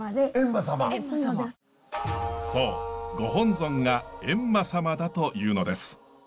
そう御本尊が閻魔様だというのです。